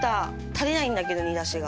足りないんだけど煮出しが。